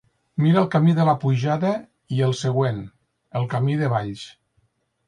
Mira el camí de la pujada i el següent, el camí de valls.